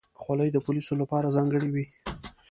خولۍ د پولیسو لپاره ځانګړې وي.